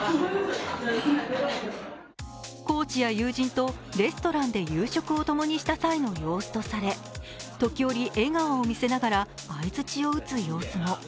コーチや友人とレストランで夕食をともにした際の様子とされ時折、笑顔を見せながら相づちを打つ様子も。